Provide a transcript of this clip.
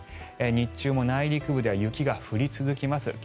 日中も内陸部では雪が降り続きます。